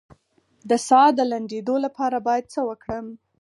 د ساه د لنډیدو لپاره باید څه وکړم؟